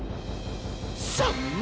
「３！